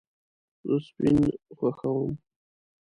زه سپین خوښوم